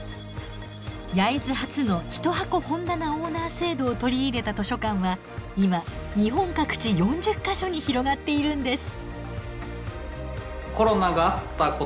焼津発の一箱本棚オーナー制度を取り入れた図書館は今日本各地４０か所に広がっているんです。